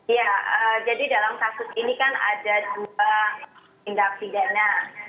ya jadi dalam kasus ini kan ada dua tindak pidana